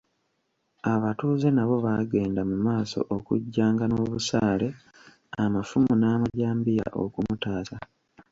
Abatuuze nabo baagenda mu maaso okujja nga n'obusaale, amafumu n'amajambiya okumutaasa.